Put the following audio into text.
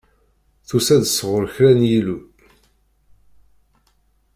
Tusa-d sɣur kra n yillu.